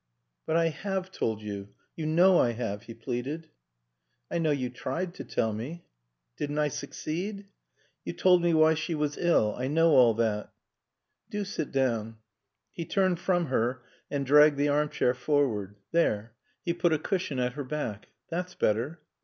"But I have told you. You know I have," he pleaded. "I know you tried to tell me." "Didn't I succeed?" "You told me why she was ill I know all that " "Do sit down." He turned from her and dragged the armchair forward. "There." He put a cushion at her back. "That's better."